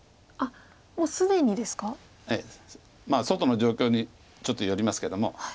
外の状況にちょっとよりますけども。